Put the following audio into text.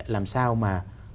làm sao mà